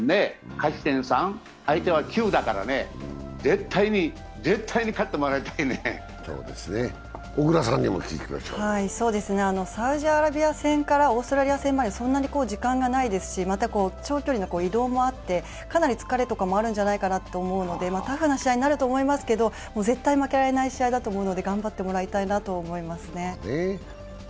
勝ち点３、相手は９だからね絶対に、絶対に勝ってもらいたいねサウジアラビア戦からオーストラリア戦までそんなに時間がないですし、また長距離の移動もあってかなり疲れとかもあるんじゃいなかなと思うので、タフな試合になると思いますけど絶対負けられない試合なので頑張ってもらいたいなと思いますね。